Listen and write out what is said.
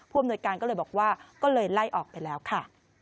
อำนวยการก็เลยบอกว่าก็เลยไล่ออกไปแล้วค่ะ